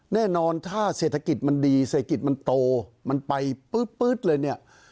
แน่นอนถ้าเศรษฐกิจมันดีเศรษฐกิจมันโตมันไปปื๊ดเลยเนี่ย